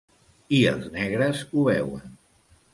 I els negres ho veuen.